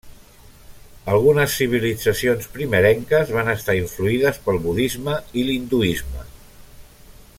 Algunes civilitzacions primerenques van estar influïdes pel budisme i l'hinduisme.